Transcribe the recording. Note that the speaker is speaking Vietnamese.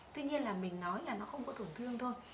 tuy nhiên là mình nói là nó không có tổn thương thôi